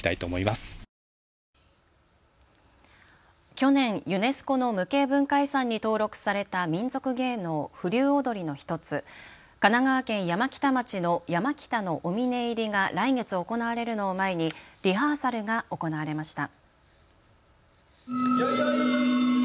去年、ユネスコの無形文化遺産に登録された民俗芸能、風流踊の１つ神奈川県山北町の山北のお峰入りが来月行われるのを前にリハーサルが行われました。